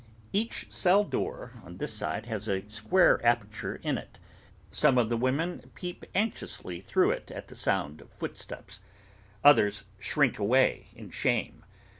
Each cell door on this side has a square aperture in it. Some of the women peep anxiously through it at the sound of footsteps; others shrink away in shame.